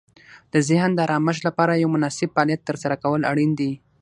د ذهن د آرامښت لپاره یو مناسب فعالیت ترسره کول اړین دي.